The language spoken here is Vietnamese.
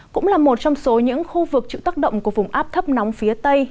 cũng là một trong số những khu vực chịu tác động của vùng áp thấp nóng phía tây